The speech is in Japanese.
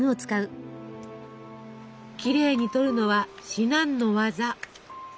きれいに取るのは至難の業。